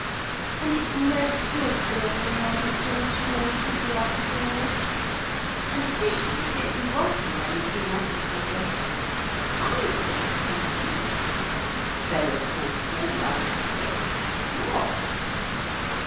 And it's no good building houses, Georgie, when you could be out of doors. And fishing's simply rotten when we've been at it all day. I've thought of something.' So of course all the others said, 'What?'